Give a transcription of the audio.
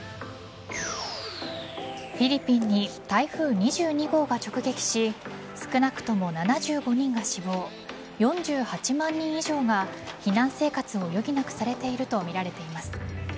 フィリピンに台風２２号が直撃し少なくとも７５人が死亡４８万人以上が避難生活を余儀なくされているとみられています。